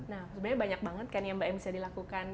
sebenarnya banyak sekali yang bisa dilakukan